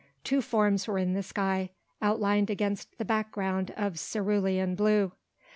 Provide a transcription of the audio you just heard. Two forms were in the sky, outlined against the back ground of cerulean blue.